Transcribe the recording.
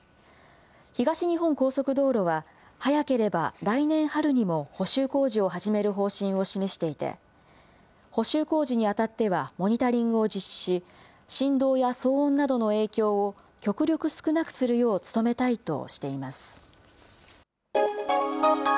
東日本高速道路は、早ければ来年春にも補修工事を始める方針を示していて、補修工事にあたってはモニタリングを実施し、振動や騒音などの影響を極力少なくするよう努めたいとしています。